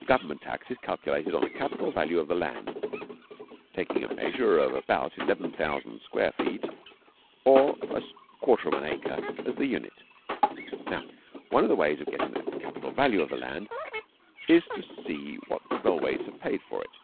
The Government tax is calculated on the capital value of the land, taking a measure of about 11,000 square feet or a quarter of an acre as the unit. Now, one of the ways of getting at the capital value of the land is to see what the railways have paid for it.